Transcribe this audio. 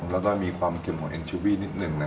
แล้วก็ต้องมีความเค็มของแอนชูวีนิดหนึ่งนะฮะ